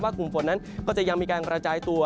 กลุ่มฝนนั้นก็จะยังมีการกระจายตัว